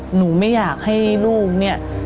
หนูไม่อยากให้ลูกเนี่ย